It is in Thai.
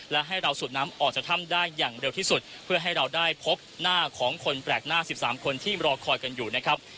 และให้เราสูบน้ำออกจากถ้ำได้อย่างเร็วที่สุดเพื่อให้เราได้พบหน้าของคนแปลกหน้า๑๓คนที่รอคอยกันอยู่นะครับ